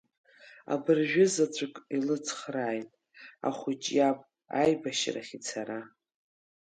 Абыржәызаҵәык илыцхрааит ахәыҷ иаб аибашьрахь ицара.